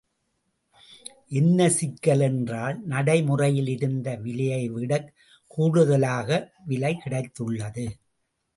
என்ன சிக்கல் என்றால் நடைமுறையில் இருந்த விலையைவிடக் கூடுதலாக விலை கிடைத்துள்ளது.